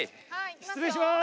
失礼します。